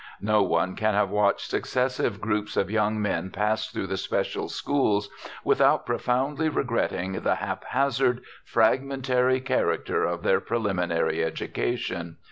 No one can have watched successive groups of young men pass through the special schools without profoundly regretting the haphazard, fragmentary character of their preliminary education.